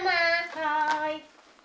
はい。